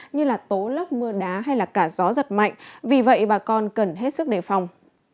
như là tố lấp mưa đá hay là cả gió giật mạnh vì vậy bà con cần hết sức đề phòng